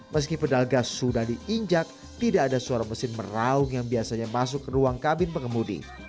meski pedal gas sudah diinjak tidak ada suara mesin meraung yang biasanya masuk ke ruang kabin pengemudi